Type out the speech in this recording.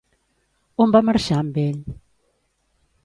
On va marxar amb ell?